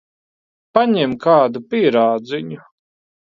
Paņem kādu pīrādziņu.